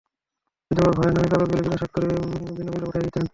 বিধবার ভাইয়ের নামে কাগজগুলি বিনা স্বাক্ষরে বিনা মূল্যে পাঠাইয়া দিতেন।